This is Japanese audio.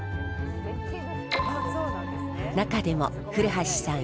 中でも古橋さん